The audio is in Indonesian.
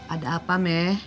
ada apa me